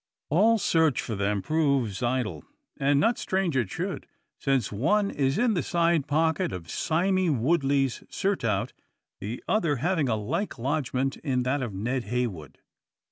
All search for them proves idle. And not strange it should; since one is in the side pocket of Sime Woodley's surtout, the other having a like lodgment in that of Ned Heywood.